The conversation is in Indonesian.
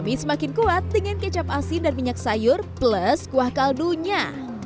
rasa mie semakin kuat dengan kecap asin dan minyak sayur plus kuah kaldu nya